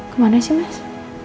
kemana sih mas